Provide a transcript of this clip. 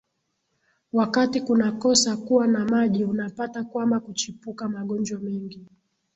wakati kunakosa kuwa na maji unapata kwamba kuchipuka magonjwa mengi